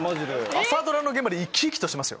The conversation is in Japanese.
朝ドラの現場で生き生きとしてますよ。